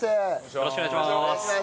よろしくお願いします。